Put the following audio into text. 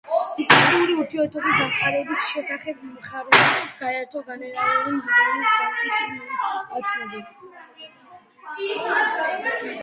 დიპლომატიური ურთიერთობების დამყარების შესახებ მხარეებმა გაერო-ს გენერალურ მდივანს ბან კი მუნს აცნობეს.